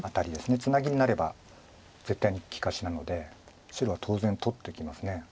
ツナギになれば絶対に利かしなので白は当然取ってきます。